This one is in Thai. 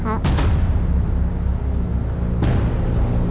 ครับ